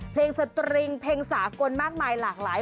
สตริงเพลงสากลมากมายหลากหลาย